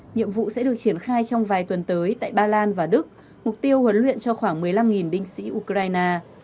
nhiệm vụ sẽ được triển khai trong vài tuần tới tại ba lan và đức mục tiêu huấn luyện cho khoảng một mươi năm binh sĩ ukraine